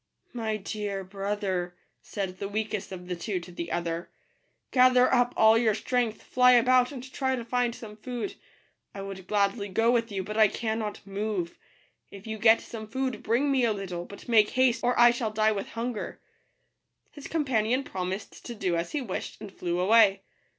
" My dear brother," said the weakest of the two to the other, " gather up all your strength, fly about, and try to find some food. I would gladly go with you, but I cannot move. If you get some food, bring me a little; but make haste, or I shall die with hunger." His companion promised to do as he wished, and flew away.